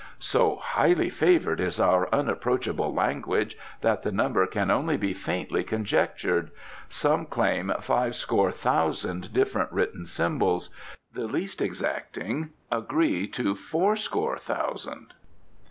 "So highly favoured is our unapproachable language that the number can only be faintly conjectured. Some claim fivescore thousand different written symbols; the least exacting agree to fourscore thousand."